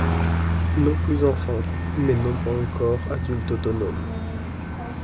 Non plus enfants, mais non pas encore adultes autonomes.